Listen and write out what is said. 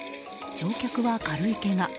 乗客は軽いけが。